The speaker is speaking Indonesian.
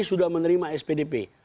sudah menerima spdp